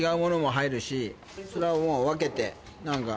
それはもう分けて何か。